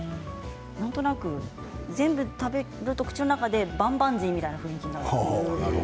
なんとなく全部食べると口の中でバンバンジーみたいな雰囲気になります。